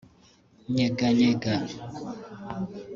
‘Nyeganyega’